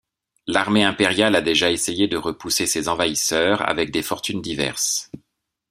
L'armée impériale a déjà essayé de repousser ces envahisseurs avec des fortunes diverses.